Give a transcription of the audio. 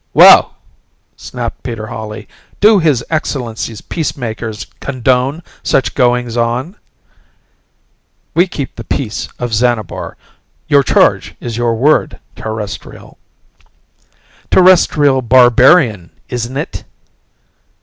"Well," snapped Peter Hawley, "do His Excellency's Peacemakers condone such goings on?" "We keep the Peace of Xanabar. Your charge is your word, Terrestrial." "Terrestrial Barbarian, isn't it?"